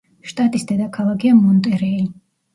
შტატის დედაქალაქია მონტერეი.